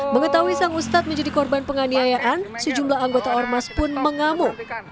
mengetahui sang ustadz menjadi korban penganiayaan sejumlah anggota ormas pun mengamuk